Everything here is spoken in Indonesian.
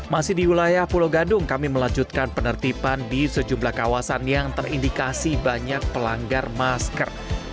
masih di wilayah pulau gadung kami melanjutkan penertiban di sejumlah kawasan yang terindikasi banyak pelanggar masker